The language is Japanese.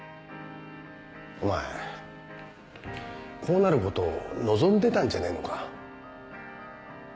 お前こうなることを望んでたんじゃねえのか？